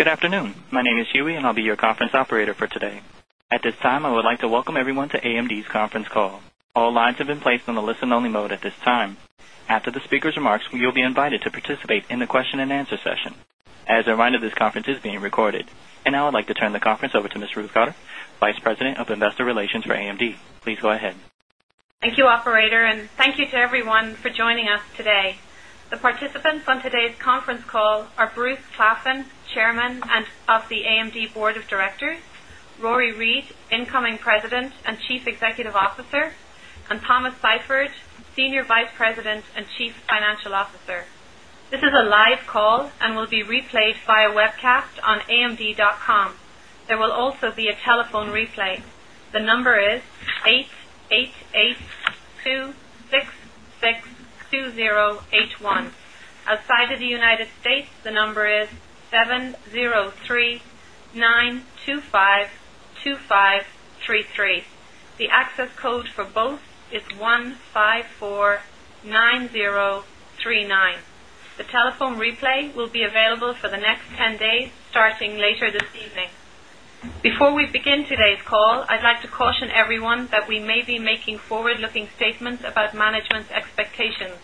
Good afternoon. My name is Huey, and I'll be your conference operator for today. At this time, I would like to welcome everyone to AMDs' Conference Call. All lines have been placed on the listen-only mode at this time. After the speaker's remarks, you'll be invited to participate in the question and answer session. As a reminder, this conference is being recorded. I would now like to turn the conference over to Ms. Ruth Cotter, Vice President of Investor Relations for AMD. Please go ahead. Thank you, Operator, and thank you to everyone for joining us today. The participants on today's conference call are Bruce Claflin, Chairman of the AMD Board of Directors, Rory Read, Incoming President and Chief Executive Officer, and Thomas Seifert, Senior Vice President and Chief Financial Officer. This is a live call and will be replayed via webcast on AMD.com. There will also be a telephone replay. The number is 888-266-2081. Outside of the United States, the number is 703-925-2533. The access code for both is 1549039. The telephone replay will be available for the next 10 days, starting later this evening. Before we begin today's call, I'd like to caution everyone that we may be making forward-looking statements about management's expectations.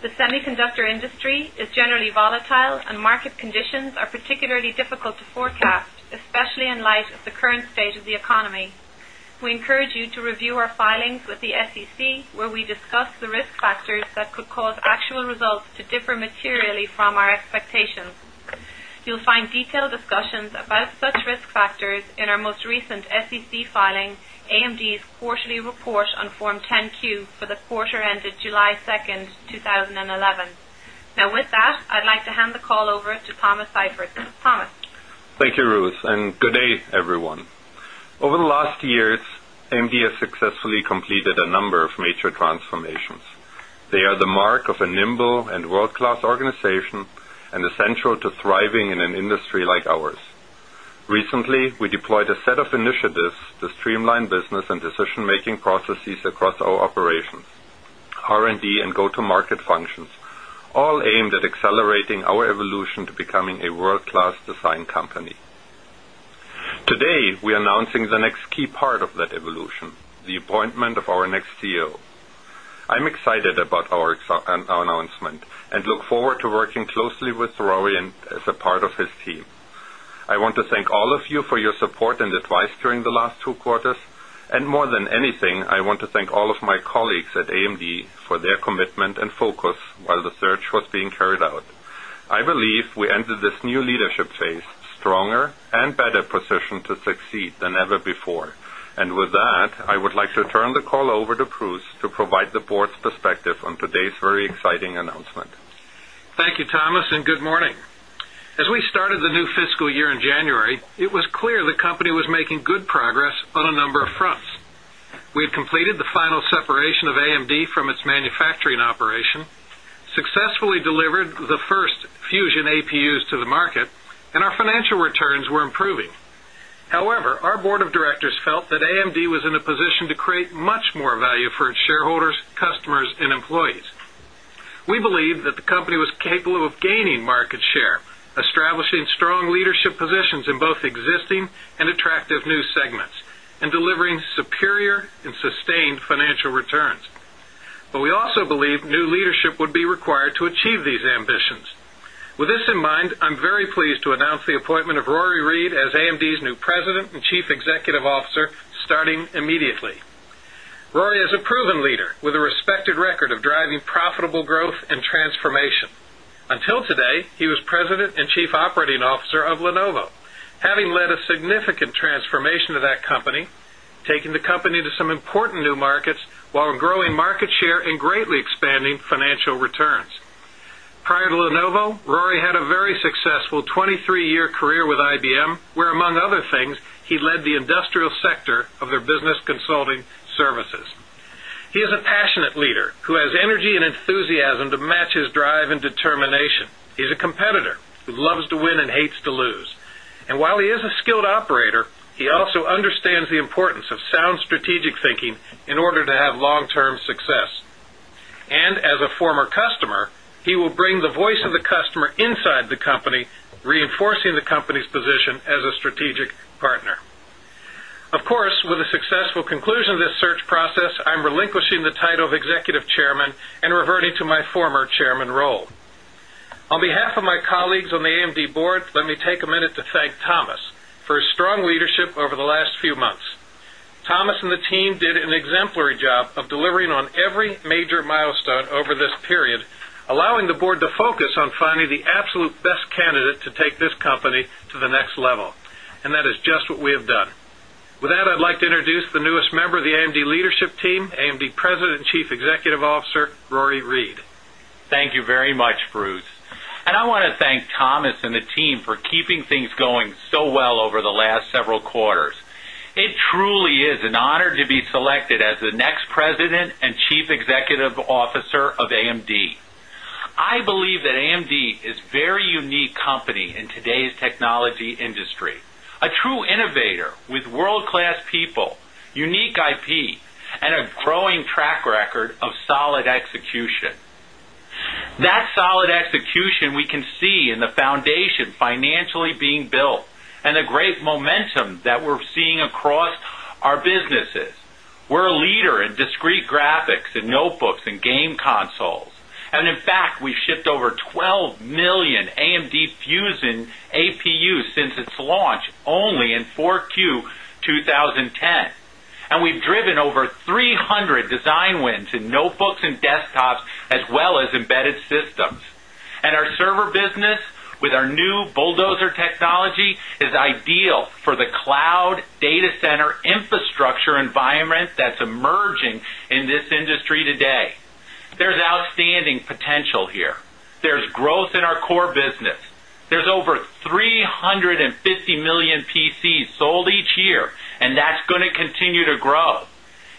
The semiconductor industry is generally volatile, and market conditions are particularly difficult to forecast, especially in light of the current state of the economy. We encourage you to review our filings with the SEC, where we discuss the risk factors that could cause actual results to differ materially from our expectations. You'll find detailed discussions about such risk factors in our most recent SEC filing, AMD's Quarterly Report on Form 10-Q for the quarter ended July 2nd, 2011. Now, with that, I'd like to hand the call over to Thomas Seifert. Thomas? Thank you, Ruth, and good day, everyone. Over the last two years, AMD has successfully completed a number of major transformations. They are the mark of a nimble and world-class organization and essential to thriving in an industry like ours. Recently, we deployed a set of initiatives to streamline business and decision-making processes across our operations, R&D, and go-to-market functions, all aimed at accelerating our evolution to becoming a world-class design company. Today, we are announcing the next key part of that evolution, the appointment of our next CEO. I'm excited about our announcement and look forward to working closely with Rory as a part of his team. I want to thank all of you for your support and advice during the last two quarters, and more than anything, I want to thank all of my colleagues at AMD for their commitment and focus while the search was being carried out. I believe we entered this new leadership phase stronger and better positioned to succeed than ever before. With that, I would like to turn the call over to Bruce to provide the board's perspective on today's very exciting announcement. Thank you, Thomas, and good morning. As we started the new fiscal year in January, it was clear the company was making good progress on a number of fronts. We had completed the final separation of AMD from its manufacturing operation, successfully delivered the first Fusion APUs to the market, and our financial returns were improving. However, our Board of Directors felt that AMD was in a position to create much more value for its shareholders, customers, and employees. We believe that the company was capable of gaining market share, establishing strong leadership positions in both existing and attractive new segments, and delivering superior and sustained financial returns. We also believe new leadership would be required to achieve these ambitions. With this in mind, I'm very pleased to announce the appointment of Rory Read as AMD's new President and Chief Executive Officer, starting immediately. Rory is a proven leader with a respected record of driving profitable growth and transformation. Until today, he was President and Chief Operating Officer of Lenovo, having led a significant transformation of that company, taking the company to some important new markets while growing market share and greatly expanding financial returns. Prior to Lenovo, Rory had a very successful 23-year career with IBM, where, among other things, he led the industrial sector of their business consulting services. He is a passionate leader who has energy and enthusiasm to match his drive and determination. He's a competitor who loves to win and hates to lose. While he is a skilled operator, he also understands the importance of sound strategic thinking in order to have long-term success. As a former customer, he will bring the voice of the customer inside the company, reinforcing the company's position as a strategic partner. Of course, with the successful conclusion of this search process, I'm relinquishing the title of Executive Chairman and reverting to my former Chairman role. On behalf of my colleagues on the AMD Board, let me take a minute to thank Thomas for his strong leadership over the last few months. Thomas and the team did an exemplary job of delivering on every major milestone over this period, allowing the Board to focus on finding the absolute best candidate to take this company to the next level. That is just what we have done. With that, I'd like to introduce the newest member of the AMD leadership team, AMD President and Chief Executive Officer, Rory Read. Thank you very much, Bruce. I want to thank Thomas and the team for keeping things going so well over the last several quarters. It truly is an honor to be selected as the next President and Chief Executive Officer of AMD. I believe that AMD is a very unique company in today's technology industry, a true innovator with world-class people, unique IP, and a growing track record of solid execution. That solid execution we can see in the foundation financially being built and the great momentum that we're seeing across our businesses. We're a leader in discrete graphics and notebooks and game consoles. In fact, we've shipped over 12 million AMD Fusion APUs since its launch only in 4Q 2010. We've driven over 300 design wins in notebooks and desktops, as well as embedded systems. Our server business, with our new Bulldozer technology, is ideal for the cloud data center infrastructure environment that's emerging in this industry today. There's outstanding potential here. There's growth in our core business. There's over 350 million PCs sold each year, and that's going to continue to grow.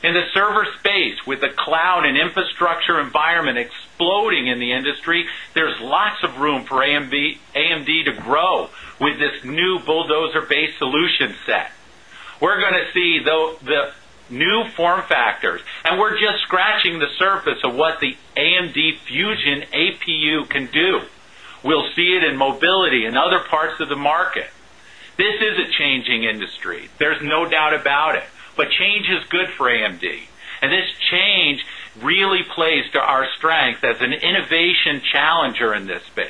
In the server space, with the cloud and infrastructure environment exploding in the industry, there's lots of room for AMD to grow with this new Bulldozer-based solution set. We're going to see the new form factors, and we're just scratching the surface of what the AMD Fusion APU can do. We'll see it in mobility and other parts of the market. This is a changing industry. There's no doubt about it. Change is good for AMD. This change really plays to our strength as an innovation challenger in this space.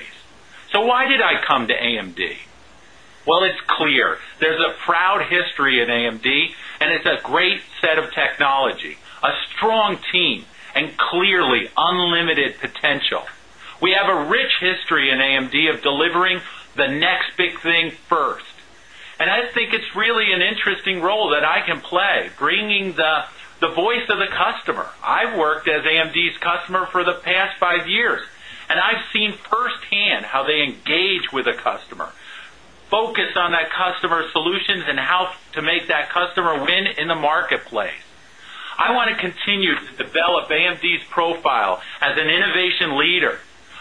Why did I come to AMD? It's clear. There's a proud history at AMD, and it's a great set of technology, a strong team, and clearly unlimited potential. We have a rich history in AMD of delivering the next big thing first. I think it's really an interesting role that I can play, bringing the voice of the customer. I've worked as AMDs' customer for the past five years, and I've seen firsthand how they engage with a customer, focus on that customer's solutions and how to make that customer win in the marketplace. I want to continue to develop AMDs' profile as an innovation leader,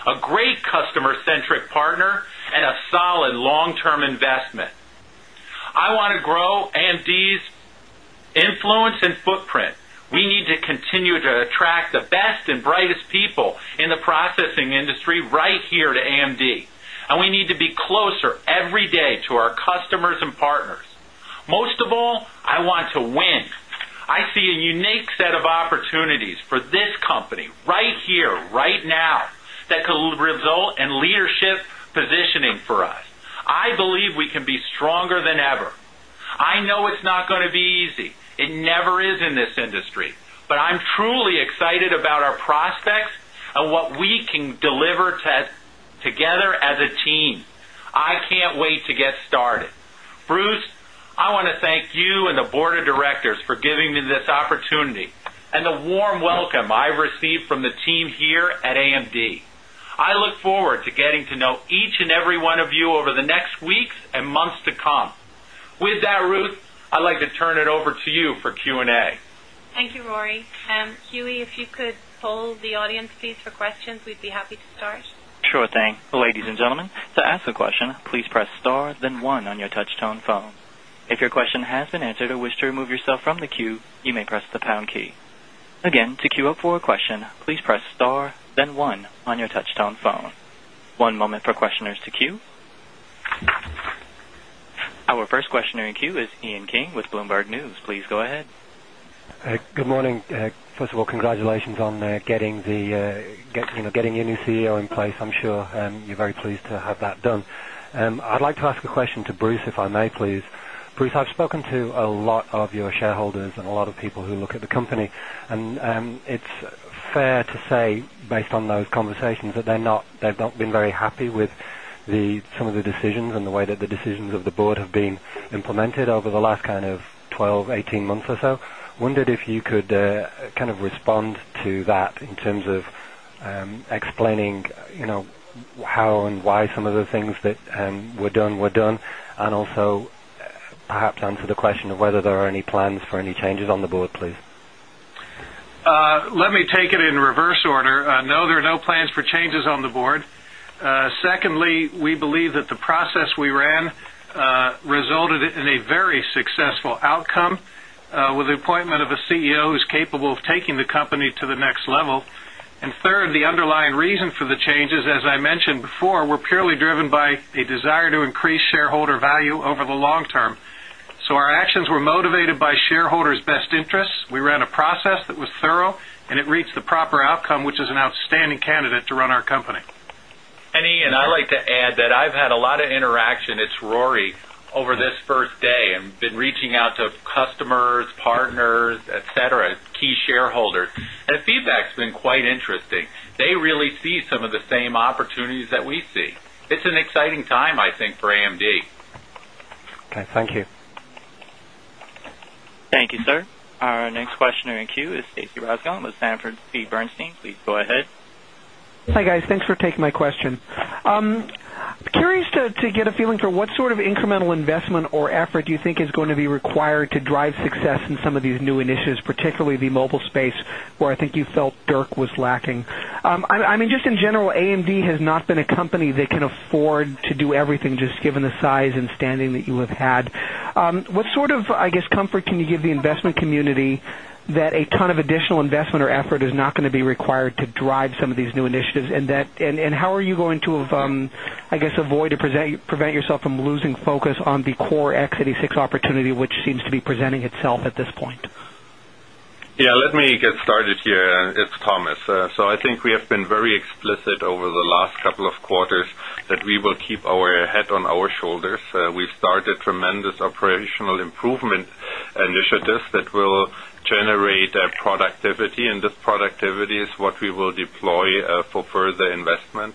a great customer-centric partner, and a solid long-term investment. I want to grow AMDs' influence and footprint. We need to continue to attract the best and brightest people in the processing industry right here to AMD We need to be closer every day to our customers and partners. Most of all, I want to win. I see a unique set of opportunities for this company right here, right now, that could result in leadership positioning for us. I believe we can be stronger than ever. I know it's not going to be easy. It never is in this industry. I'm truly excited about our prospects and what we can deliver together as a team. I can't wait to get started. Bruce, I want to thank you and the Board of Directors for giving me this opportunity and the warm welcome I've received from the team here at AMD. I look forward to getting to know each and every one of you over the next weeks and months to come. With that, Ruth, I'd like to turn it over to you for Q&A. Thank you, Rory. Huey, if you could pull the audience piece for questions, we'd be happy to start. Sure thing. Ladies and gentlemen, to ask a question, please press star, then one on your touch-tone phone. If your question has been answered or wish to remove yourself from the queue, you may press the pound key. Again, to queue up for a question, please press star, then one on your touch-tone phone. One moment for questioners to queue. Our first questioner in queue is Ian King with Bloomberg News. Please go ahead. Good morning. First of all, congratulations on getting your new CEO in place. I'm sure you're very pleased to have that done. I'd like to ask a question to Bruce, if I may, please. Bruce, I've spoken to a lot of your shareholders and a lot of people who look at the company. It's fair to say, based on those conversations, that they've not been very happy with some of the decisions and the way that the decisions of the board have been implemented over the last 12, 18 months or so. Wondered if you could respond to that in terms of explaining how and why some of the things that were done were done and also perhaps answer the question of whether there are any plans for any changes on the board, please. Let me take it in reverse order. No, there are no plans for changes on the board. Secondly, we believe that the process we ran resulted in a very successful outcome with the appointment of a CEO who's capable of taking the company to the next level. Third, the underlying reason for the changes, as I mentioned before, were purely driven by a desire to increase shareholder value over the long term. Our actions were motivated by shareholders' best interests. We ran a process that was thorough, and it reached the proper outcome, which is an outstanding candidate to run our company. I'd like to add that I've had a lot of interaction—it's Rory—over this first day and been reaching out to customers, partners, et cetera, key shareholders. The feedback's been quite interesting. They really see some of the same opportunities that we see. It's an exciting time, I think, for AMD. Thank you. Thank you, sir. Our next questioner in queue is Stacy Rasgon with Sanford C. Bernstein. Please go ahead. Hi, guys. Thanks for taking my question. Curious to get a feeling for what sort of incremental investment or effort you think is going to be required to drive success in some of these new initiatives, particularly the mobile space, where I think you felt DERC was lacking. I mean, just in general, AMD has not been a company that can afford to do everything, just given the size and standing that you have had. What sort of, I guess, comfort can you give the investment community that a ton of additional investment or effort is not going to be required to drive some of these new initiatives? How are you going to, I guess, avoid or prevent yourself from losing focus on the core x86 opportunity, which seems to be presenting itself at this point? Let me get started here. It's Thomas. I think we have been very explicit over the last couple of quarters that we will keep our head on our shoulders. We've started tremendous operational improvement initiatives that will generate productivity. This productivity is what we will deploy for further investment.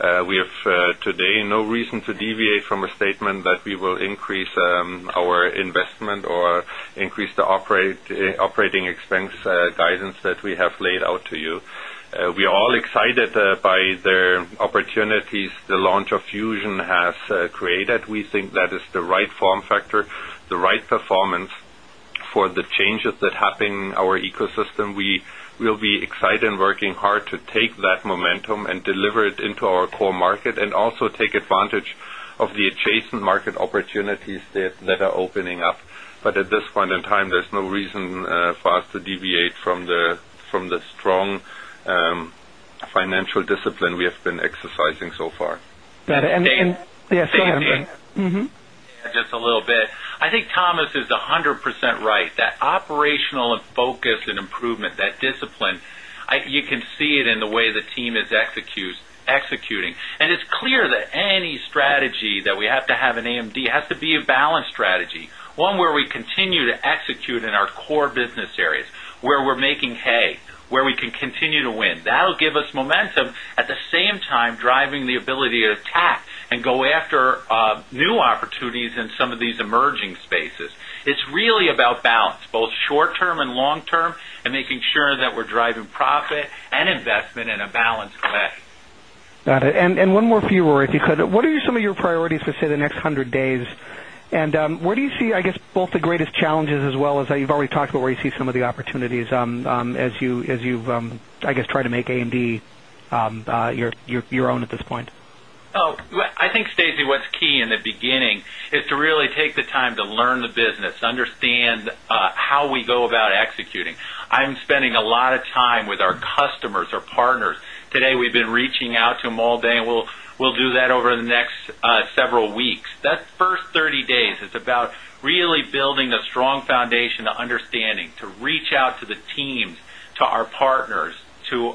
We have, today, no reason to deviate from a statement that we will increase our investment or increase the operating expense guidance that we have laid out to you. We are all excited by the opportunities the launch of Fusion has created. We think that is the right form factor, the right performance for the changes that happen in our ecosystem. We will be excited and working hard to take that momentum and deliver it into our core market and also take advantage of the adjacent market opportunities that are opening up. At this point in time, there's no reason for us to deviate from the strong financial discipline we have been exercising so far. I think Thomas is 100% right. That operational focus and improvement, that discipline, you can see it in the way the team is executing. It's clear that any strategy that we have to have in AMD has to be a balanced strategy, one where we continue to execute in our core business areas, where we're making hay, where we can continue to win. That'll give us momentum, at the same time driving the ability to attack and go after new opportunities in some of these emerging spaces. It's really about balance, both short term and long term, and making sure that we're driving profit and investment in a balanced way. Got it. One more for you, Rory, if you could. What are some of your priorities for the next 100 days? Where do you see both the greatest challenges as well as you've already talked about where you see some of the opportunities as you try to make AMD your own at this point? Oh, I think, Stacy, what's key in the beginning is to really take the time to learn the business, understand how we go about executing. I'm spending a lot of time with our customers, our partners. Today, we've been reaching out to them all day, and we'll do that over the next several weeks. That's the first 30 days. It's about really building a strong foundation of understanding, to reach out to the teams, to our partners, to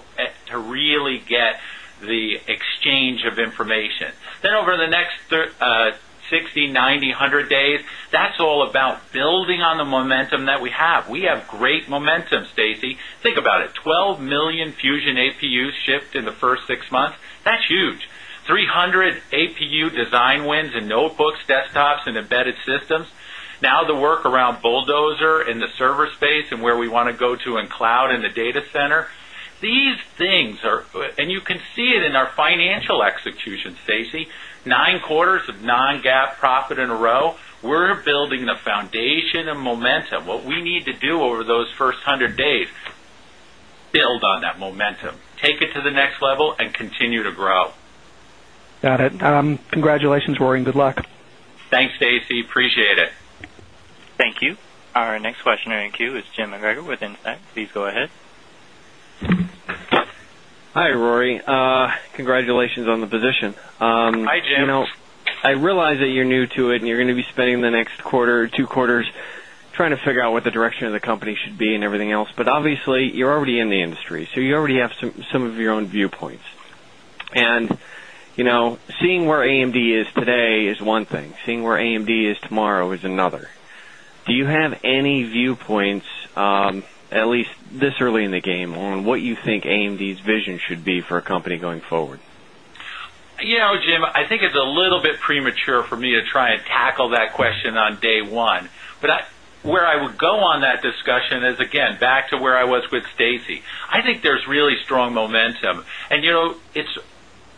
really get the exchange of information. Over the next 60, 90, 100 days, that's all about building on the momentum that we have. We have great momentum, Stacy. Think about it. 12 million Fusion APUs shipped in the first six months. That's huge. 300 APU design wins in notebooks, desktops, and embedded systems. Now the work around Bulldozer in the server space and where we want to go to in cloud and the data center. These things are, and you can see it in our financial execution, Stacy. Nine quarters of non-GAAP profit in a row. We're building the foundation of momentum. What we need to do over those first 100 days is build on that momentum, take it to the next level, and continue to grow. Got it. Congratulations, Rory, and good luck. Thanks, Stacy. Appreciate it. Thank you. Our next questioner in queue is Jim McGregor with In-Stat. Please go ahead. Hi, Rory. Congratulations on the position. Hi, Jim. I realize that you're new to it, and you're going to be spending the next quarter or two quarters trying to figure out what the direction of the company should be and everything else. Obviously, you're already in the industry, so you already have some of your own viewpoints. You know seeing where AMD is today is one thing. Seeing where AMD is tomorrow is another. Do you have any viewpoints, at least this early in the game, on what you think AMD's vision should be for a company going forward? You know, Jim, I think it's a little bit premature for me to try and tackle that question on day one. Where I would go on that discussion is, again, back to where I was with Stacy. I think there's really strong momentum. You know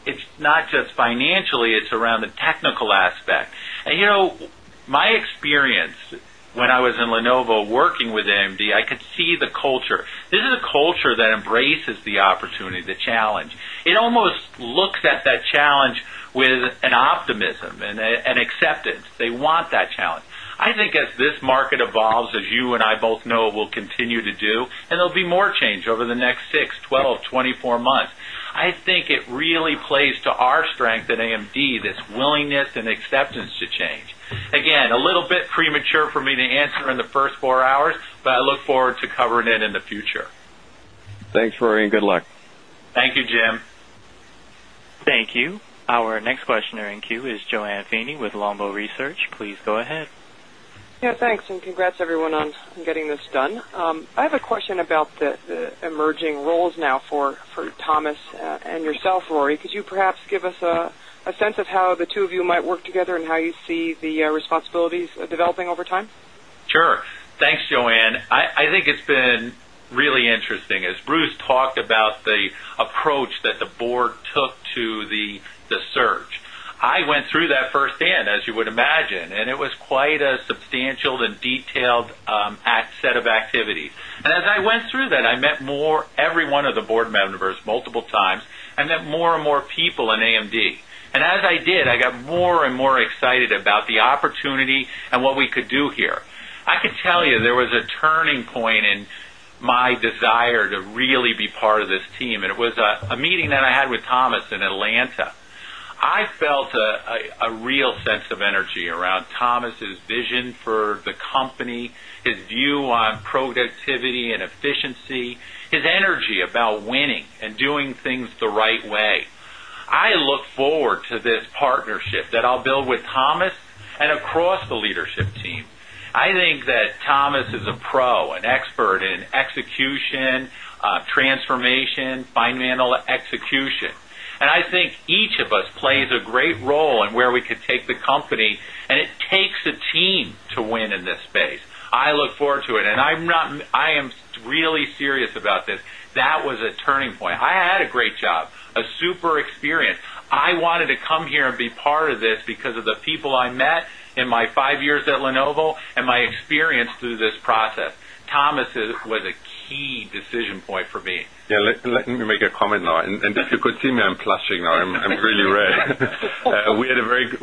it's not just financially. It's around the technical aspect. My experience when I was in Lenovo working with AMD, I could see the culture. This is a culture that embraces the opportunity, the challenge. It almost looks at that challenge with optimism and acceptance. They want that challenge. I think as this market evolves, as you and I both know it will continue to do, and there'll be more change over the next six, 12, 24 months, I think it really plays to our strength at AMD, this willingness and acceptance to change. Again, a little bit premature for me to answer in the first four hours, but I look forward to covering it in the future. Thanks, Rory, and good luck. Thank you, Jim. Thank you. Our next questioner in queue is JoAnne Feeney with Longbow Research. Please go ahead. Yeah, thanks, and congrats everyone on getting this done. I have a question about the emerging roles now for Thomas and yourself, Rory. Could you perhaps give us a sense of how the two of you might work together and how you see the responsibilities developing over time? Sure. Thanks, JoAnne. I think it's been really interesting. As Bruce talked about the approach that the board took to the search, I went through that firsthand, as you would imagine. It was quite a substantial and detailed set of activities. As I went through that, I met every one of the board members multiple times. I met more and more people in AMD. As I did, I got more and more excited about the opportunity and what we could do here. I could tell you there was a turning point in my desire to really be part of this team. It was a meeting that I had with Thomas in Atlanta. I felt a real sense of energy around Thomas's vision for the company, his view on productivity and efficiency, his energy about winning and doing things the right way. I look forward to this partnership that I'll build with Thomas and across the leadership team. I think that Thomas is a pro, an expert in execution, transformation, fundamental execution. I think each of us plays a great role in where we could take the company. It takes a team to win in this space. I look forward to it. I am really serious about this. That was a turning point. I had a great job, a super experience. I wanted to come here and be part of this because of the people I met in my five years at Lenovo and my experience through this process. Thomas was a key decision point for me. Yeah, let me make a comment now. If you could see me, I'm plastering now. I'm really red.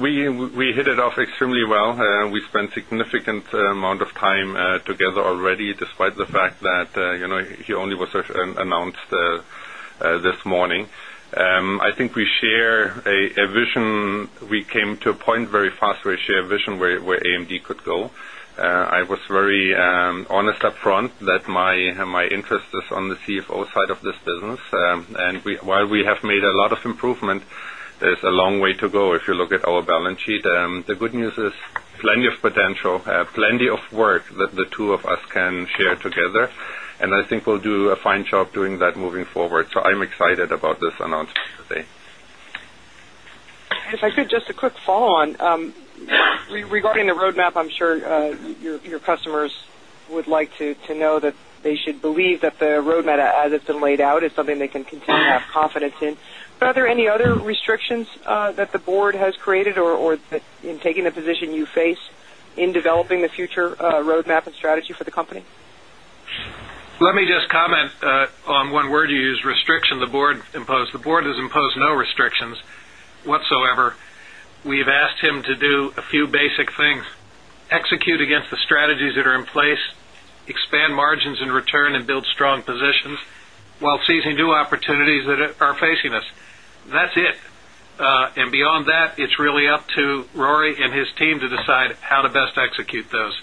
We hit it off extremely well. We spent a significant amount of time together already, despite the fact that he only was announced this morning. I think we share a vision. We came to a point very fast where we share a vision where AMD could go. I was very honest up front that my interest is on the CFO side of this business. While we have made a lot of improvement, there's a long way to go if you look at our balance sheet. The good news is plenty of potential, plenty of work that the two of us can share together. I think we'll do a fine job doing that moving forward. I'm excited about this announcement today. If I could, just a quick follow-on regarding the roadmap. I'm sure your customers would like to know that they should believe that the roadmap, as it's been laid out, is something they can continue to have confidence in. Are there any other restrictions that the board has created or that, in taking the position you face, in developing the future roadmap and strategy for the company? Let me just comment on one word you used, restriction the board imposed. The board has imposed no restrictions whatsoever. We've asked him to do a few basic things: execute against the strategies that are in place, expand margins and return, and build strong positions while seizing new opportunities that are facing us. That's it. Beyond that, it's really up to Rory and his team to decide how to best execute those.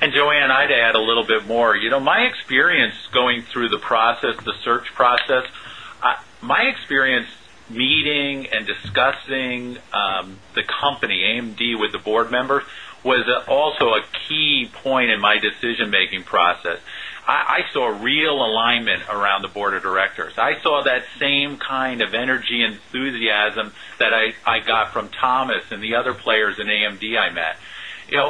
JoAnne, I'd add a little bit more. My experience going through the process, the search process, my experience meeting and discussing the company, AMD, with the board members was also a key point in my decision-making process. I saw real alignment around the board of directors. I saw that same kind of energy and enthusiasm that I got from Thomas and the other players in AMD I met. This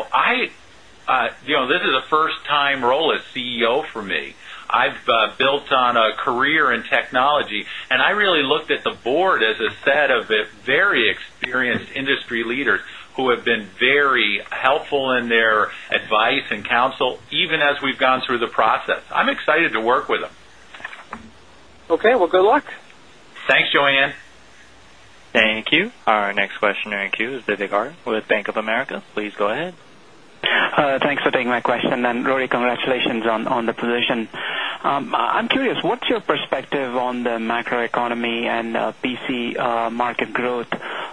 is a first-time role as CEO for me. I've built on a career in technology. I really looked at the board as a set of very experienced industry leaders who have been very helpful in their advice and counsel, even as we've gone through the process. I'm excited to work with them. OK, good luck. Thanks, Joanne. Thank you. Our next questioner in queue is Vivek Arya with Bank of America. Please go ahead. Thanks for taking my question. Rory, congratulations on the position. I'm curious, what's your perspective on the macroeconomy and PC market growth?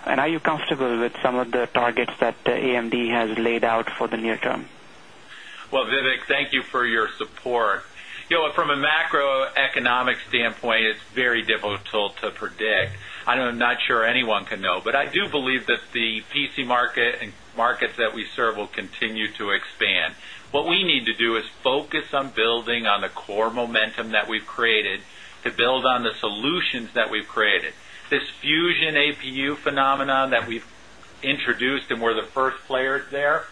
Are you comfortable with some of the targets that AMD has laid out for the near term? Vivek, thank you for your support. You know, from a macroeconomic standpoint, it's very difficult to predict. I'm not sure anyone can know. I do believe that the PC market and markets that we serve will continue to expand. What we need to do is focus on building on the core momentum that we've created, to build on the solutions that we've created. This Fusion APU phenomenon that we've introduced and we're the first player there,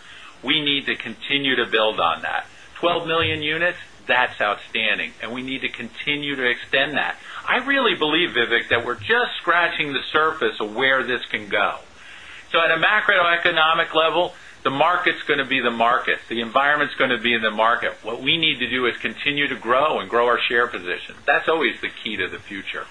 we need to continue to build on that. 12 million units, that's outstanding. We need to continue to extend that. I really believe, Vivek, that we're just scratching the surface of where this can go. At a macroeconomic level, the market's going to be the market. The environment's going to be the market. What we need to do is continue to grow and grow our share position. That's always the key to the future.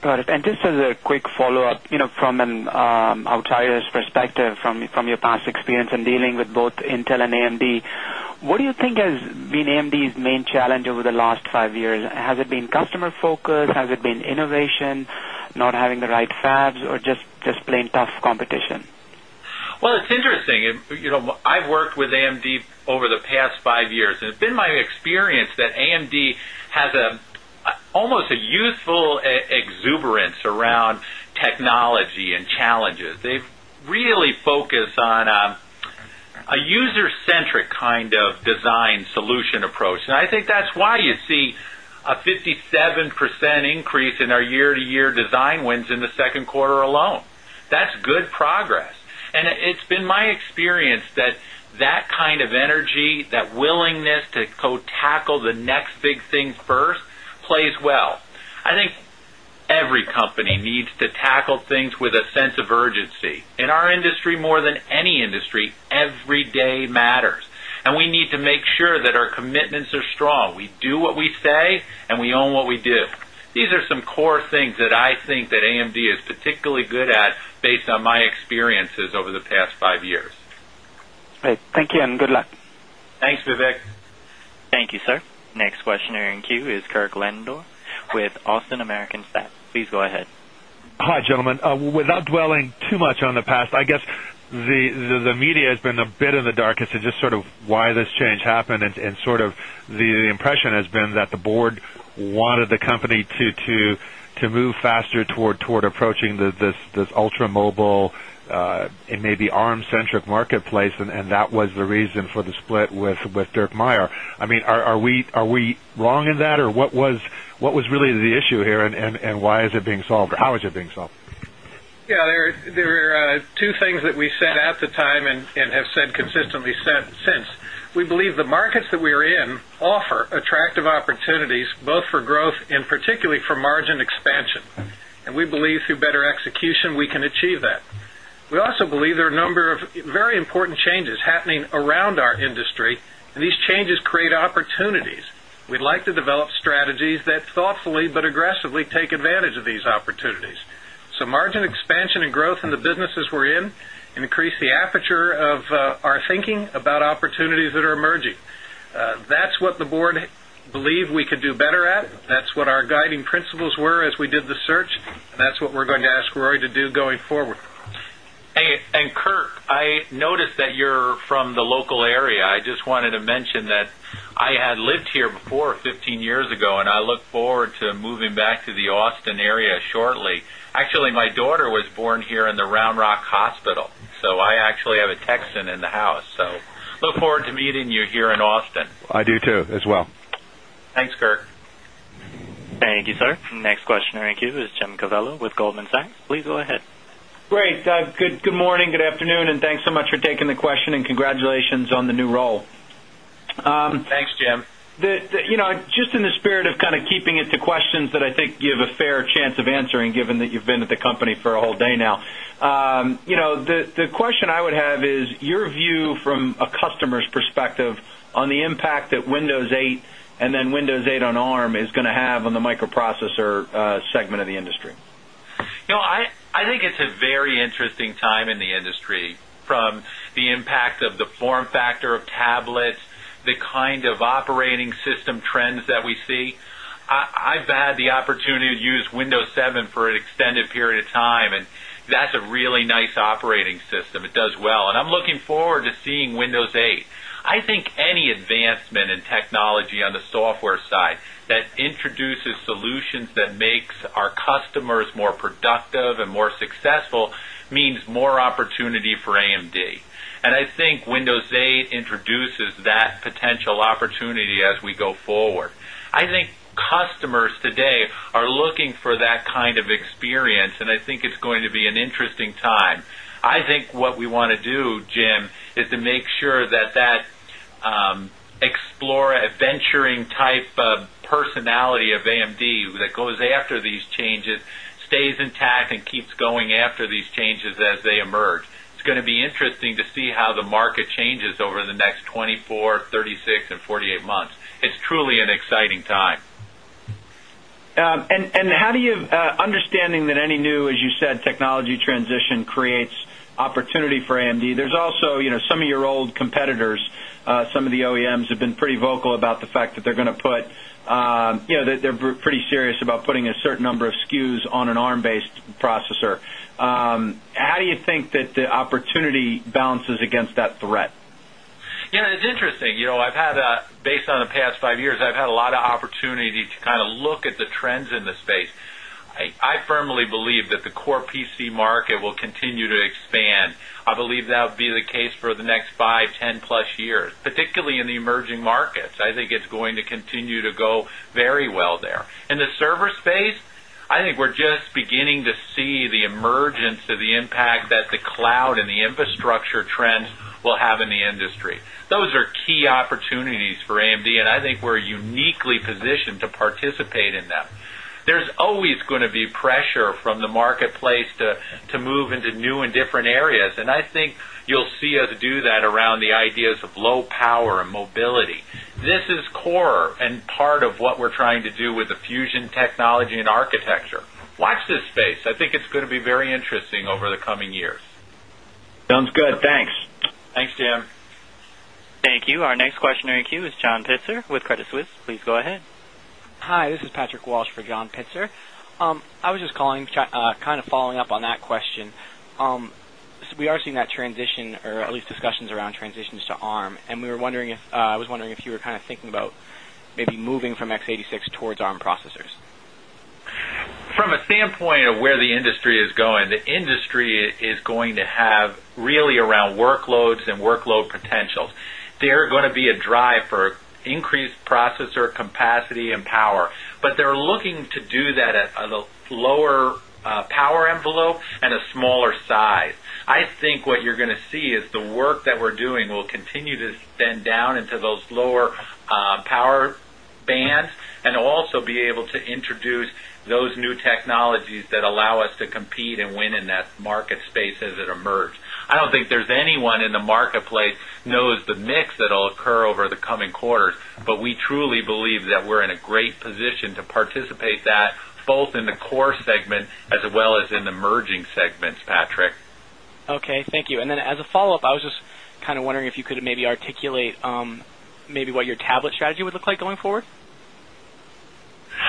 Got it. Just as a quick follow-up from an outsider's perspective, from your past experience in dealing with both Intel and AMD, what do you think has been AMDs' main challenge over the last five years? Has it been customer focus? Has it been innovation, not having the right fabs, or just plain tough competition? It's interesting. I've worked with AMD over the past five years, and it's been my experience that AMD has almost a youthful exuberance around technology and challenges. They've really focused on a user-centric kind of design solution approach. I think that's why you see a 57% increase in our year-to-year design wins in the second quarter alone. That's good progress. It's been my experience that that kind of energy, that willingness to tackle the next big thing first, plays well. I think every company needs to tackle things with a sense of urgency. In our industry, more than any industry, every day matters. We need to make sure that our commitments are strong. We do what we say, and we own what we do. These are some core things that I think that AMD is particularly good at, based on my experiences over the past five years. Great. Thank you and good luck. Thanks, Vivek. Thank you, sir. Next questioner in queue is Kirk Ladendorf with Austin American-Stat. Please go ahead. Hi, gentlemen. Without dwelling too much on the past, I guess the media has been a bit in the dark as to just sort of why this change happened. The impression has been that the board wanted the company to move faster toward approaching this ultra-mobile and maybe ARM-centric marketplace. That was the reason for the split with Derrick Meyer. Are we long in that? What was really the issue here? Why is it being solved? How is it being solved? Yeah, there are two things that we said at the time and have said consistently since. We believe the markets that we are in offer attractive opportunities, both for growth and particularly for margin expansion. We believe through better execution, we can achieve that. We also believe there are a number of very important changes happening around our industry. These changes create opportunities. We'd like to develop strategies that thoughtfully but aggressively take advantage of these opportunities. Margin expansion and growth in the businesses we're in increase the aperture of our thinking about opportunities that are emerging. That's what the board believed we could do better at. That's what our guiding principles were as we did the search. That's what we're going to ask Rory to do going forward. Kirk, I noticed that you're from the local area. I just wanted to mention that I had lived here before 15 years ago, and I look forward to moving back to the Austin area shortly. Actually, my daughter was born here in the Round Rock Hospital, so I actually have a Texan in the house. I look forward to meeting you here in Austin. I do too. Thanks, Kirk. Thank you, sir. Next questioner in queue is Jim Covello with Goldman Sachs. Please go ahead. Great. Good morning, good afternoon, and thanks so much for taking the question. Congratulations on the new role. Thanks, Jim. In the spirit of kind of keeping it to questions that I think you have a fair chance of answering, given that you've been at the company for a whole day now, the question I would have is your view from a customer's perspective on the impact that Windows 8 and then Windows 8 on ARM is going to have on the microprocessor segment of the industry. I think it's a very interesting time in the industry, from the impact of the form factor of tablets, the kind of operating system trends that we see. I've had the opportunity to use Windows 7 for an extended period of time. That's a really nice operating system. It does well. I'm looking forward to seeing Windows 8. I think any advancement in technology on the software side that introduces solutions that make our customers more productive and more successful means more opportunity for AMD. I think Windows 8 introduces that potential opportunity as we go forward. I think customers today are looking for that kind of experience. It's going to be an interesting time. What we want to do, Jim, is to make sure that explorer, adventuring type of personality of AMD that goes after these changes stays intact and keeps going after these changes as they emerge. It's going to be interesting to see how the market changes over the next 24, 36, and 48 months. It's truly an exciting time. How do you understand that any new, as you said, technology transition creates opportunity for AMD? There's also some of your old competitors, some of the OEMs, have been pretty vocal about the fact that they're going to put, you know, that they're pretty serious about putting a certain number of SKUs on an ARM-based processor. How do you think that the opportunity balances against that threat? It's interesting. Based on the past five years, I've had a lot of opportunity to kind of look at the trends in the space. I firmly believe that the core PC market will continue to expand. I believe that will be the case for the next five, 10+ years, particularly in the emerging markets. I think it's going to continue to go very well there. In the server space, I think we're just beginning to see the emergence of the impact that the cloud and the infrastructure trends will have in the industry. Those are key opportunities for AMD. I think we're uniquely positioned to participate in them. There's always going to be pressure from the marketplace to move into new and different areas. I think you'll see us do that around the ideas of low power and mobility. This is core and part of what we're trying to do with the Fusion technology and architecture. Watch this space. I think it's going to be very interesting over the coming years. Sounds good. Thanks. Thanks, Jim. Thank you. Our next questioner in queue is John Pitzer with Credit Suisse. Please go ahead. Hi, this is Patrick Walsh for John Pitzer. I was just calling, following up on that question. We are seeing that transition, or at least discussions around transitions to ARM architectures. I was wondering if you were thinking about maybe moving from x86 towards ARM processors. From a standpoint of where the industry is going, the industry is going to have really around workloads and workload potentials. There are going to be a drive for increased processor capacity and power. They're looking to do that at a lower power envelope and a smaller size. I think what you're going to see is the work that we're doing will continue to bend down into those lower power bands and also be able to introduce those new technologies that allow us to compete and win in that market space as it emerges. I don't think there's anyone in the marketplace who knows the mix that will occur over the coming quarters. We truly believe that we're in a great position to participate in that, both in the core segment as well as in the merging segments, Patrick. Thank you. As a follow-up, I was just kind of wondering if you could maybe articulate maybe what your tablet strategy would look like going forward?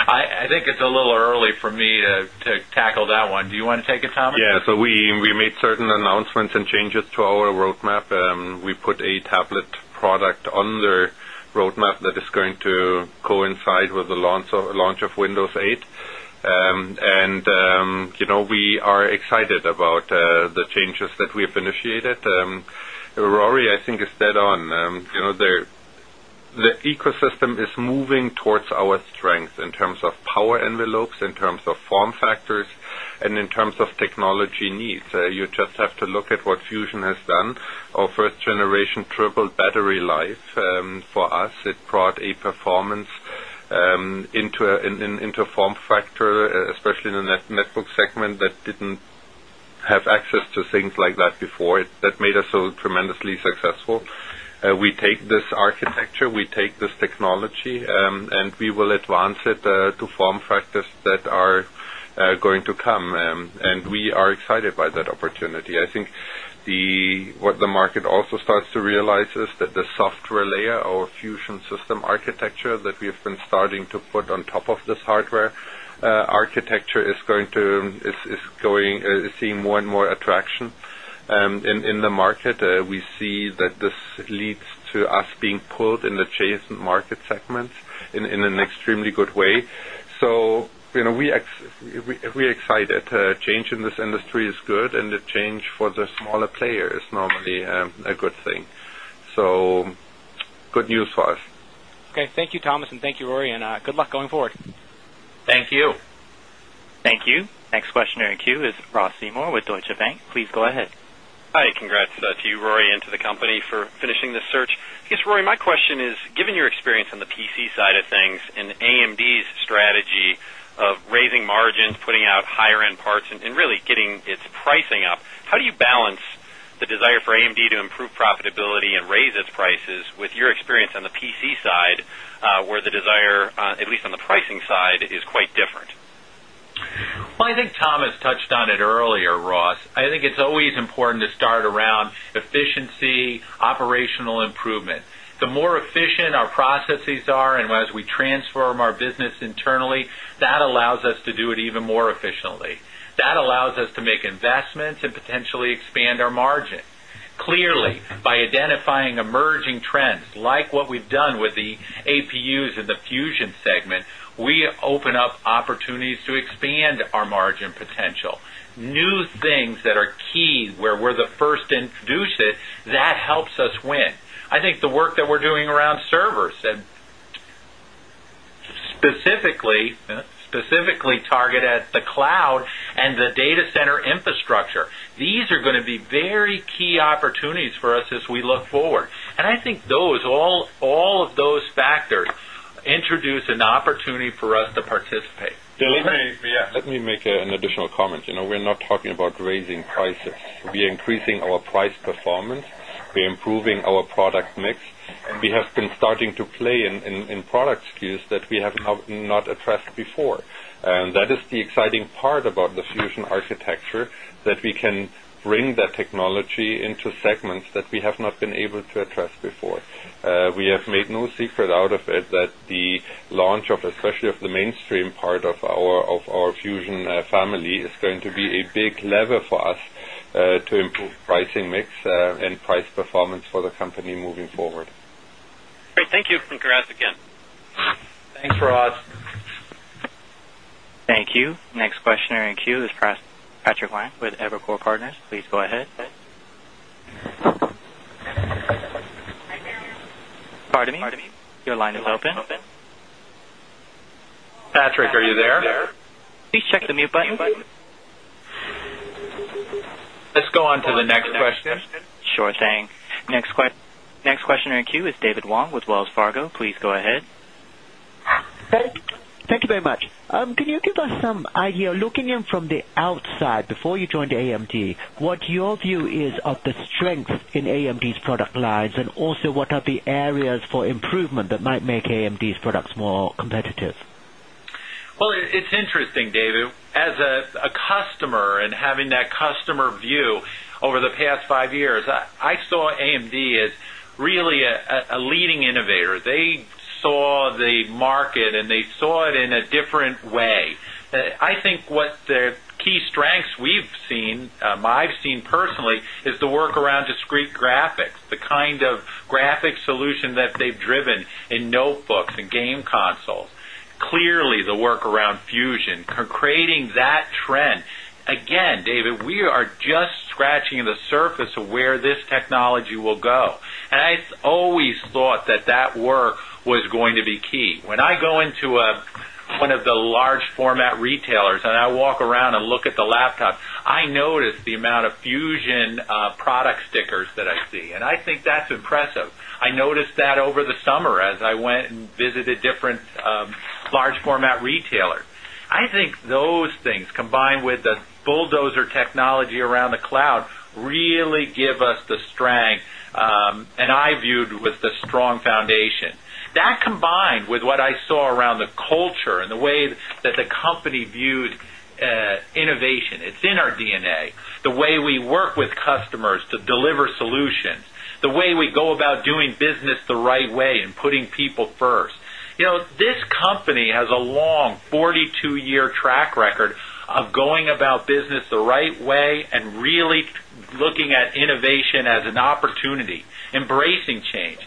I think it's a little early for me to tackle that one. Do you want to take it, Thomas? Yeah, so we made certain announcements and changes to our roadmap. We put a tablet product on the roadmap that is going to coincide with the launch of Windows 8. You know we are excited about the changes that we have initiated. Rory, I think, is dead on. The ecosystem is moving towards our strengths in terms of power envelopes, in terms of form factors, and in terms of technology needs. You just have to look at what Fusion has done. Our first-generation triple battery life, for us, it brought a performance into a form factor, especially in the netbook segment that didn't have access to things like that before. That made us so tremendously successful. We take this architecture. We take this technology, and we will advance it to form factors that are going to come. We are excited by that opportunity. I think what the market also starts to realize is that the software layer, our Fusion system architecture that we have been starting to put on top of this hardware architecture, is going to see more and more attraction in the market. We see that this leads to us being pulled in adjacent market segments in an extremely good way. We are excited. Change in this industry is good. The change for the smaller players is normally a good thing. Good news for us. OK, thank you, Thomas. Thank you, Rory. Good luck going forward. Thank you. Thank you. Next questioner in queue is Ross Seymore with Deutsche Bank. Please go ahead. Hi, congrats to you, Rory, and to the company for finishing the search. I guess, Rory, my question is, given your experience on the PC side of things and AMDs' strategy of raising margins, putting out higher-end parts, and really getting its pricing up, how do you balance the desire for AMD to improve profitability and raise its prices with your experience on the PC side, where the desire, at least on the pricing side, is quite different? I think Thomas touched on it earlier, Ross. I think it's always important to start around efficiency, operational improvement. The more efficient our processes are, and as we transform our business internally, that allows us to do it even more efficiently. That allows us to make investments and potentially expand our margin. Clearly, by identifying emerging trends, like what we've done with the APUs in the Fusion segment, we open up opportunities to expand our margin potential. New things that are key, where we're the first introduced it, that helps us win. I think the work that we're doing around servers, specifically targeted at the cloud and the data center infrastructure, these are going to be very key opportunities for us as we look forward. I think all of those factors introduce an opportunity for us to participate. Let me make an additional comment. We're not talking about raising prices. We are increasing our price performance. We are improving our product mix. We have been starting to play in product SKUs that we have not addressed before. That is the exciting part about the Fusion architecture, that we can bring that technology into segments that we have not been able to address before. We have made no secret out of it that the launch of, especially of the mainstream part of our Fusion family, is going to be a big lever for us to improve pricing mix and price performance for the company moving forward. Great, thank you. Congrats again. Thanks, Ross. Thank you. Next questioner in queue is Patrick Wang with Evercore Partners. Please go ahead. Pardon me? Your line is open. Patrick, are you there? Please check the mute button. Let's go on to the next question. Sure thing. Next questioner in queue is David Wong with Wells Fargo. Please go ahead. Thank you very much. Can you give us some idea, looking in from the outside before you joined AMD, what your view is of the strength in AMDs' product lines, and also what are the areas for improvement that might make AMDs' products more competitive? It's interesting, David. As a customer and having that customer view over the past five years, I saw AMDs as really a leading innovator. They saw the market, and they saw it in a different way. I think what the key strengths we've seen, I've seen personally, is the work around discrete graphics, the kind of graphic solution that they've driven in notebooks and game consoles. Clearly, the work around Fusion, creating that trend. Again, David, we are just scratching the surface of where this technology will go. I always thought that that work was going to be key. When I go into one of the large-format retailers and I walk around and look at the laptops, I notice the amount of Fusion product stickers that I see. I think that's impressive. I noticed that over the summer as I went and visited different large-format retailers. I think those things, combined with the Bulldozer technology around the cloud, really give us the strength and I viewed was the strong foundation. That, combined with what I saw around the culture and the way that the company views innovation, it's in our DNA. The way we work with customers to deliver solutions, the way we go about doing business the right way and putting people first. This company has a long 42-year track record of going about business the right way and really looking at innovation as an opportunity, embracing change.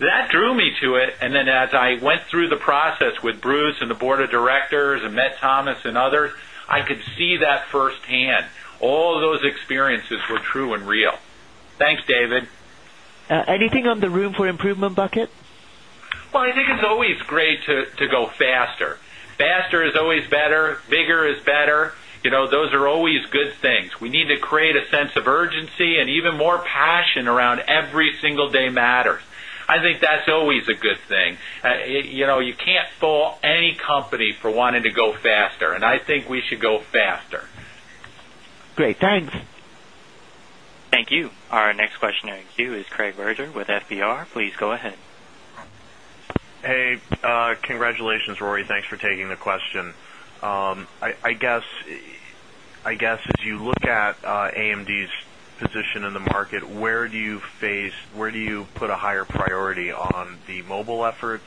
That drew me to it. As I went through the process with Bruce and the board of directors and met Thomas and others, I could see that firsthand. All those experiences were true and real. Thanks, David. Anything on the room for improvement bucket? I think it's always great to go faster. Faster is always better. Bigger is better. You know, those are always good things. We need to create a sense of urgency and even more passion around every single day matters. I think that's always a good thing. You know, you can't fault any company for wanting to go faster. I think we should go faster. Great, thanks. Thank you. Our next questioner in queue is [Craig Ryder] with FBR. Please go ahead. Hey, congratulations, Rory. Thanks for taking the question. I guess, as you look at AMD's position in the market, where do you face, where do you put a higher priority on the mobile efforts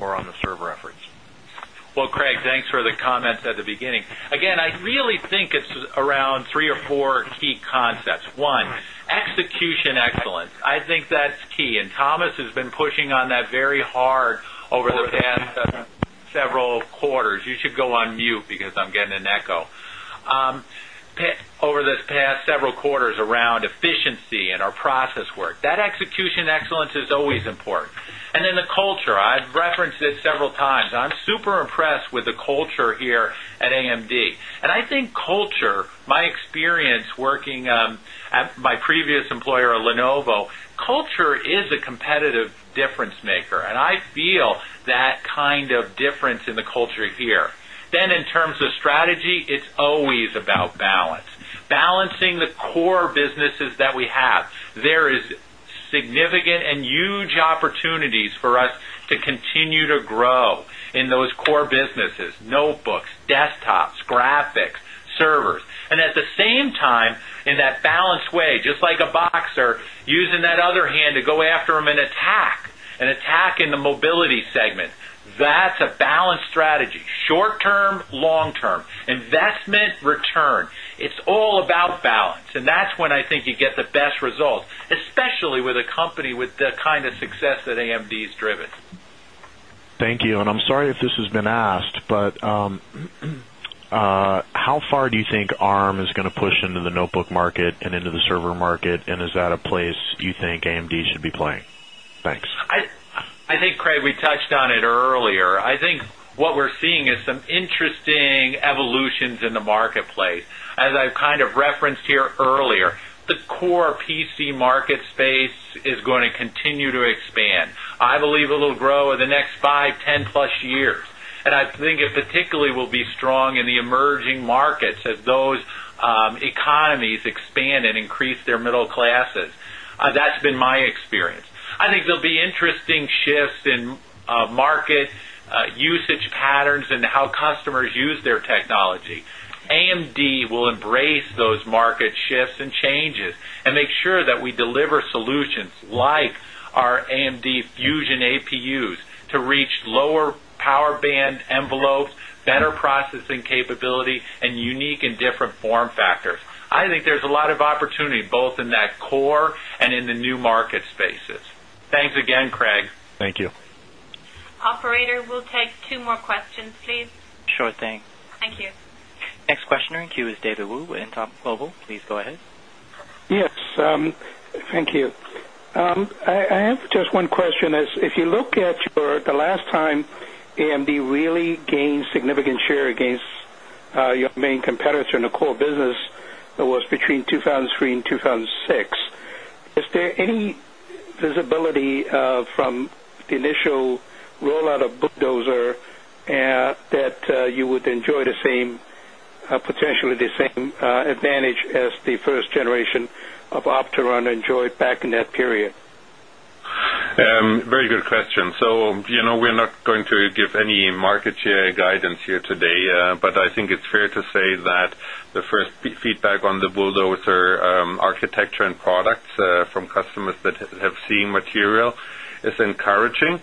or on the server efforts? Craig, thanks for the comments at the beginning. I really think it's around three or four key concepts. One, execution excellence. I think that's key. Thomas has been pushing on that very hard over the past several quarters. You should go on mute because I'm getting an echo. Over this past several quarters around efficiency and our process work, that execution excellence is always important. The culture, I've referenced it several times. I'm super impressed with the culture here at AMD. I think culture, my experience working at my previous employer at Lenovo, culture is a competitive difference maker. I feel that kind of difference in the culture here. In terms of strategy, it's always about balance, balancing the core businesses that we have. There are significant and huge opportunities for us to continue to grow in those core businesses: notebooks, desktops, graphics, servers. At the same time, in that balanced way, just like a boxer using that other hand to go after him and attack, and attack in the mobility segment. That's a balanced strategy, short term, long term, investment, return. It's all about balance. That's when I think you get the best results, especially with a company with the kind of success that AMD has driven. Thank you. I'm sorry if this has been asked, but how far do you think ARM is going to push into the notebook market and into the server market? Is that a place you think AMD should be playing? I think, Craig, we touched on it earlier. I think what we're seeing is some interesting evolutions in the marketplace. As I've kind of referenced here earlier, the core PC market space is going to continue to expand. I believe it'll grow over the next five, 10+ years. I think it particularly will be strong in the emerging markets as those economies expand and increase their middle classes. That's been my experience. I think there'll be interesting shifts in market usage patterns and how customers use their technology. AMD will embrace those market shifts and changes and make sure that we deliver solutions like our AMD Fusion APU to reach lower power band envelopes, better processing capability, and unique and different form factors. I think there's a lot of opportunity both in that core and in the new market spaces. Thanks again, Craig. Thank you. Operator, we'll take two more questions, please. Sure thing. Thank you. Next questioner in queue is [David Wu In Top Global]. Please go ahead. Yes, thank you. I have just one question. If you look at the last time AMD really gained significant share against your main competitor in the core business, it was between 2003 and 2006. Is there any visibility from the initial rollout of Bulldozer that you would enjoy potentially the same advantage as the first generation of Opteron enjoyed back in that period? Very good question. You know we're not going to give any market share guidance here today, but I think it's fair to say that the first feedback on the Bulldozer architecture and products from customers that have seen material is encouraging.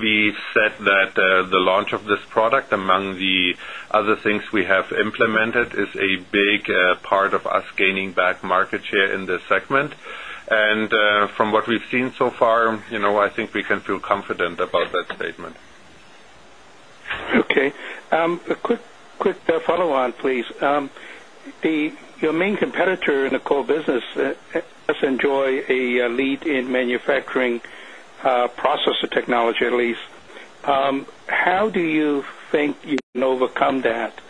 We've said that the launch of this product, among the other things we have implemented, is a big part of us gaining back market share in this segment. From what we've seen so far, I think we can feel confident about that statement. OK, a quick follow-on, please. Your main competitor in the core business does enjoy a lead in manufacturing processor technology, at least. How do you think you can overcome that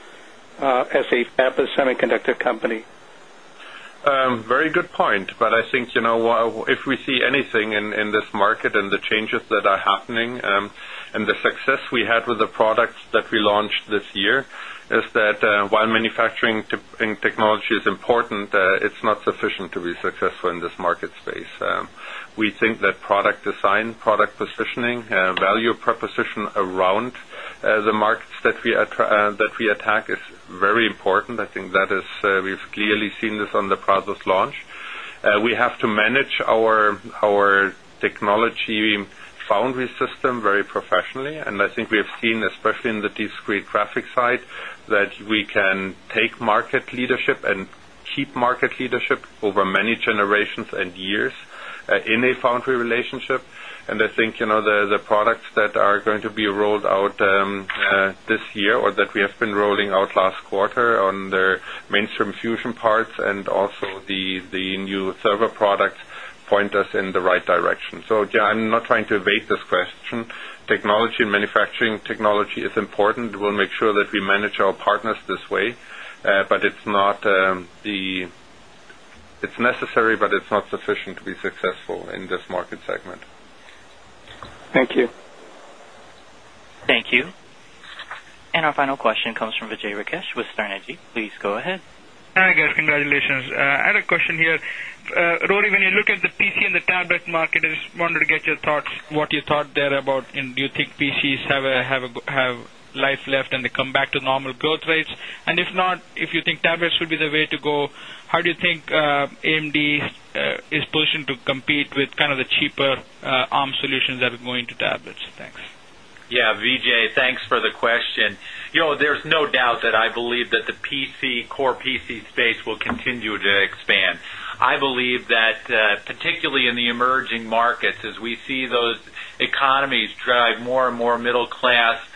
as a fab or semiconductor company? Very good point. I think if we see anything in this market and the changes that are happening and the success we had with the products that we launched this year, it's that while manufacturing technology is important, it's not sufficient to be successful in this market space. We think that product design, product positioning, and value proposition around the markets that we attack is very important. I think we've clearly seen this on the process launch. We have to manage our technology foundry system very professionally. I think we have seen, especially in the discrete graphics side, that we can take market leadership and keep market leadership over many generations and years in a foundry relationship. I think the products that are going to be rolled out this year or that we have been rolling out last quarter on the mainstream Fusion parts and also the new server products point us in the right direction. Technology and manufacturing technology is important. We'll make sure that we manage our partners this way. It's necessary, but it's not sufficient to be successful in this market segment. Thank you. Thank you. Our final question comes from Vijay Rakesh with Sterne Agee. Please go ahead. Hi, congratulations. I had a question here. Rory, when you look at the PC and the tablet market, I just wanted to get your thoughts, what you thought there about, do you think PCs have life left and they come back to normal growth rates? If not, if you think tablets would be the way to go, how do you think AMD is positioned to compete with kind of the cheaper ARM solutions that are going to tablets? Thanks. Yeah, Vijay, thanks for the question. You know, there's no doubt that I believe that the PC, core PC space will continue to expand. I believe that particularly in the emerging markets, as we see those economies drive more and more middle-class families,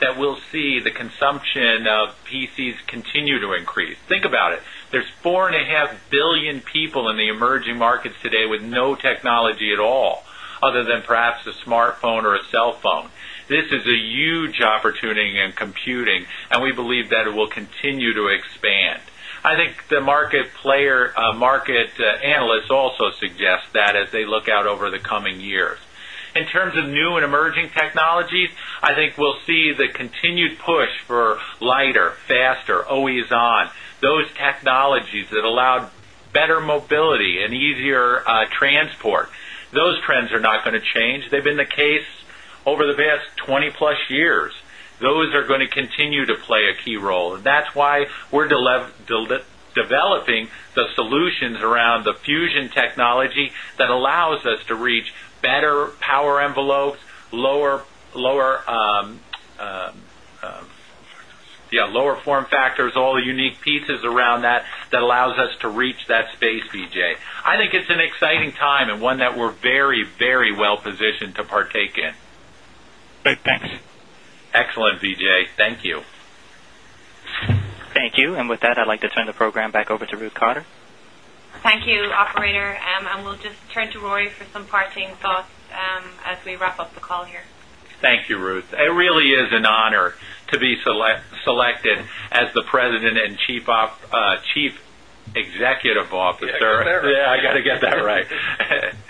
that we'll see the consumption of PCs continue to increase. Think about it. There's 4.5 billion people in the emerging markets today with no technology at all, other than perhaps a smartphone or a cell phone. This is a huge opportunity in computing. We believe that it will continue to expand. I think the market analysts also suggest that as they look out over the coming years. In terms of new and emerging technologies, I think we'll see the continued push for lighter, faster, always-on, those technologies that allowed better mobility and easier transport. Those trends are not going to change. They've been the case over the past 20+ years. Those are going to continue to play a key role. That's why we're developing the solutions around the Fusion technology that allows us to reach better power envelopes, lower form factors, all the unique pieces around that that allow us to reach that space, Vijay. I think it's an exciting time and one that we're very, very well positioned to partake in. Great, thanks. Excellent, Vijay. Thank you. Thank you. With that, I'd like to turn the program back over to Ruth Cotter. Thank you, Operator. We'll just turn to Rory for some parting thoughts as we wrap up the call here. Thank you, Ruth. It really is an honor to be selected as the President and Chief Executive Officer. I got to get that right.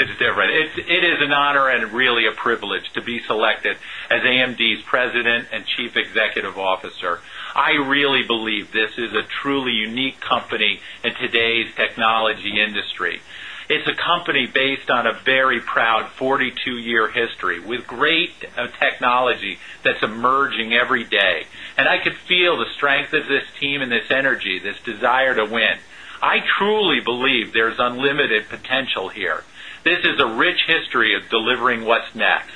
It's different. It is an honor and really a privilege to be selected as AMD's President and Chief Executive Officer. I really believe this is a truly unique company in today's technology industry. It's a company based on a very proud 42-year history with great technology that's emerging every day. I could feel the strength of this team and this energy, this desire to win. I truly believe there's unlimited potential here. This is a rich history of delivering what's next.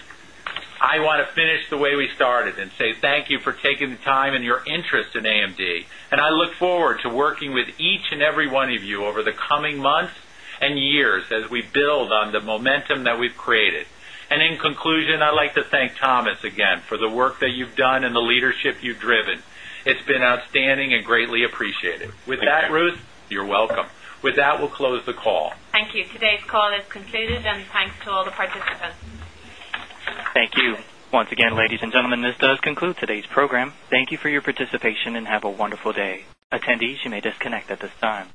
I want to finish the way we started and say thank you for taking the time and your interest in AMD. I look forward to working with each and every one of you over the coming months and years as we build on the momentum that we've created. In conclusion, I'd like to thank Thomas again for the work that you've done and the leadership you've driven. It's been outstanding and greatly appreciated. With that, Ruth, you're welcome. With that, we'll close the call. Thank you. Today's call is concluded. Thanks to all the participants. Thank you. Once again, ladies and gentlemen, this does conclude today's program. Thank you for your participation and have a wonderful day. Attendees, you may disconnect at this time.